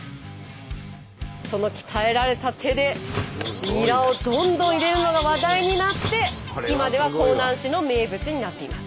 その鍛えられた手でニラをどんどん入れるのが話題になって今では香南市の名物になっています。